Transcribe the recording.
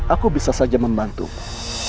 aku bisa saja membantumu